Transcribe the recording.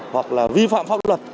hoặc là vi phạm pháp luật